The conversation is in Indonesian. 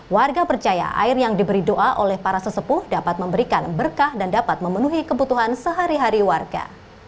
warga percaya air yang diberi doa oleh para sesepuh dapat memberikan berkah dan dapat memenuhi kebutuhan sehari hari warga